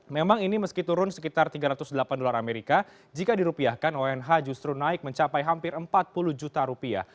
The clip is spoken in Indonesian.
memang ini meski turun sekitar tiga ratus delapan dolar amerika jika dirupiahkan onh justru naik mencapai hampir empat puluh juta rupiah